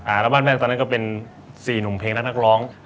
อัลบั้มแรกตอนนั้นก็เป็นสี่หนุ่มเพลงและนักร้อง